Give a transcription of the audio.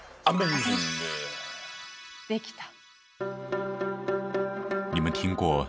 できた。